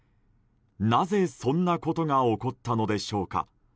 なぜ、そんなことが起こったのでしょうか。